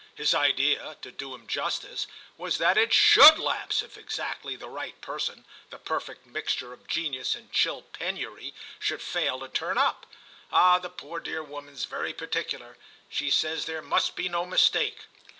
His idea, to do him justice, was that it should lapse if exactly the right person, the perfect mixture of genius and chill penury, should fail to turn up. Ah the poor dear woman's very particular—she says there must be no mistake."